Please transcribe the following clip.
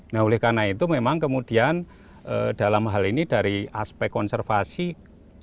nah oleh karena itu memang kemudian dalam hal ini dari aspek konservasi ini juga merupakan tantangan